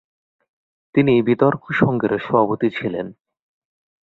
তিনি বিতর্ক সংঘের সভাপতি ছিলেন।